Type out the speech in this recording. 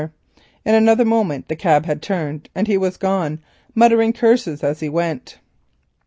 In another moment the cab had turned, and he was gone, muttering curses as he went.